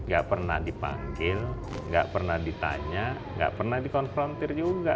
gak pernah dipanggil nggak pernah ditanya nggak pernah dikonfrontir juga